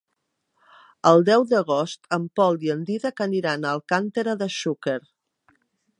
El deu d'agost en Pol i en Dídac aniran a Alcàntera de Xúquer.